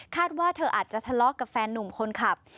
ว่าเธออาจจะทะเลาะกับแฟนนุ่มคนขับ